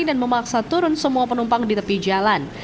dan memaksa turun semua penumpang di tepi jalan